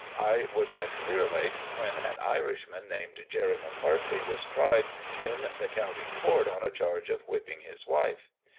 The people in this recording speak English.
I was at Clear Lake, when an Irishman, named Jerry McCarthy, was tried in the county court on a charge of whipping his wife.